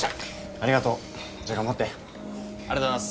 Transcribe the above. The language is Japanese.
ありがとうございます。